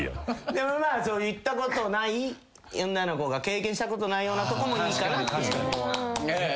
でも行ったことない女の子が経験したことないようなとこもいいかなって。